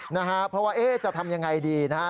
เพราะว่าเอ๊ะจะทำอย่างไรดีนะฮะ